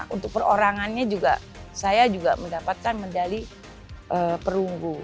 untuk perorangannya juga saya juga mendapatkan medali perunggu